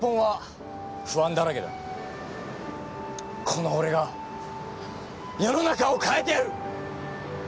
この俺が世の中を変えてやる！